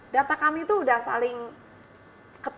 data kami itu sudah saling ketat